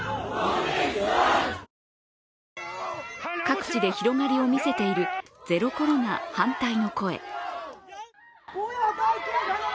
各地で広がりを見せているゼロコロナ反対の声。